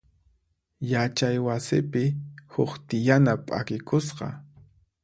Yachay wasipi huk tiyana p'akikusqa.